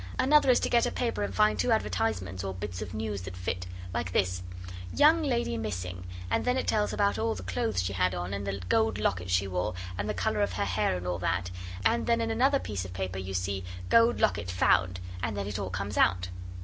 'Another is to get a paper and find two advertisements or bits of news that fit. Like this: "Young Lady Missing," and then it tells about all the clothes she had on, and the gold locket she wore, and the colour of her hair, and all that; and then in another piece of the paper you see, "Gold locket found," and then it all comes out.